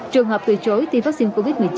trường hợp từ chối tiêm vaccine covid một mươi chín